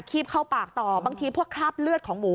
ีบเข้าปากต่อบางทีพวกคราบเลือดของหมู